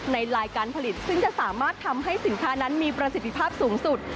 ลายการผลิตซึ่งจะสามารถทำให้สินค้านั้นมีประสิทธิภาพสูงสุด